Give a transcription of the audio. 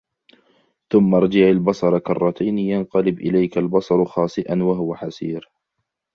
ثُمَّ ارْجِعِ الْبَصَرَ كَرَّتَيْنِ يَنْقَلِبْ إِلَيْكَ الْبَصَرُ خَاسِئًا وَهُوَ حَسِيرٌ